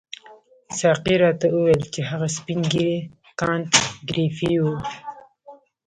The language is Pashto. ساقي راته وویل چې هغه سپین ږیری کانت ګریفي وو.